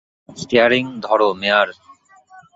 Staring ধরো, মেয়ার!